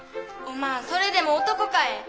おまんそれでも男かえ。